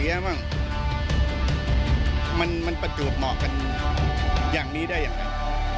อย่างนี้ได้อย่างนั้น